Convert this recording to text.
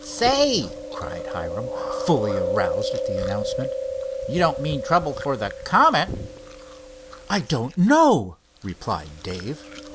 "Say," cried Hiram, fully aroused at the announcement, "you don't mean trouble for the Comet?" "I don't know," replied Dave.